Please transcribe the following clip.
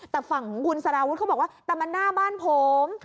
แต่ฝั่งของคุณสารวุฒิเขาบอกว่าแต่มันหน้าบ้านผม